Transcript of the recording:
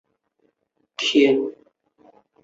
都有为登场要角配音。